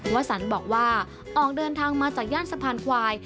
วสันบอกว่าออกเดินทางมาจากย่านสะพานควาย